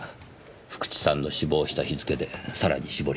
福地さんの死亡した日付でさらに絞り込めます。